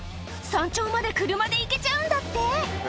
山頂まで車で行けちゃうんだって。